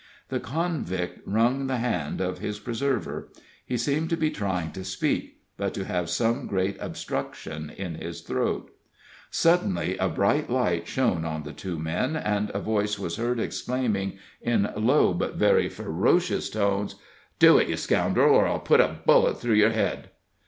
The convict wrung the hand of his preserver. He seemed to be trying to speak, but to have some great obstruction in his throat. Suddenly a bright light shone on the two men, and a voice was heard exclaiming, in low but very ferocious tones: "Do it, you scoundrel, or I'll put a bullet through your head!"